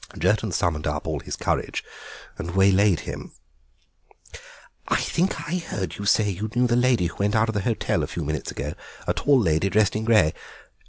Jerton summoned up all his courage and waylaid him. "I think I heard you say you knew the lady who went out of the hotel a few minutes ago, a tall lady, dressed in grey.